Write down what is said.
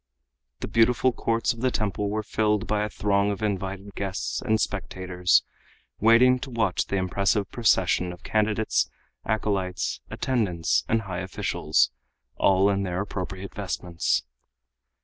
The beautiful courts of the temple were filled by a throng of invited guests and spectators, waiting to watch the impressive procession of candidates, acolytes, attendants and high officials, all in their appropriate vestments.